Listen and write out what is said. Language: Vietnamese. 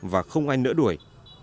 và không ai nỡ đuổi